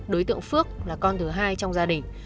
đối tượng phước là con thứ hai trong gia đình